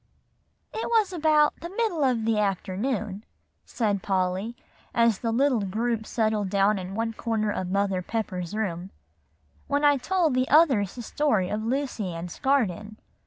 "It was about the middle of the afternoon," said Polly, as the little group settled down in one corner of Mother Pepper's room, "when I told the others the story of Lucy Ann's Garden.